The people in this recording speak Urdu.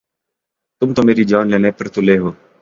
تم تو میری جان لینے پر تُلے ہو